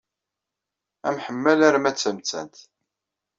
Amḥemmal arma d tamettant.